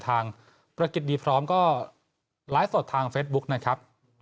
ทางประกิจดีพร้อมก็ไลฟ์สดทางเฟซบุ๊กนะครับ